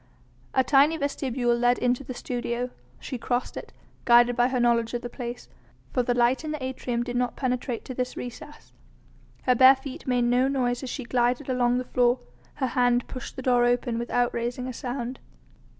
A tiny vestibule led into the studio, she crossed it, guided by her knowledge of the place, for the light in the atrium did not penetrate to this recess. Her bare feet made no noise as she glided along the floor, her hand pushed the door open without raising a sound.